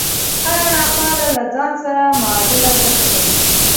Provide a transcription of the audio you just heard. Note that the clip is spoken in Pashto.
هره ناخواله له ځان سره معادل ګټه لري